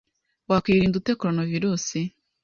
Wakwirinda ute coronavirus?